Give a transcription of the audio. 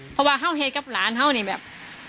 เพราะว่าเฮาเหตุกับหลานเขานี่แบบ